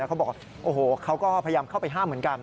เขาบอกโอ้โหเขาก็พยายามเข้าไปห้ามเหมือนกัน